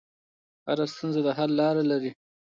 هر ستونزه د حل لار لري.